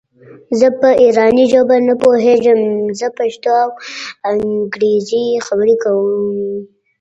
زه په ایراني ژبه نه پوهېږم زه پښتو او انګرېزي خبري کوم.